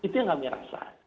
ini gak merasa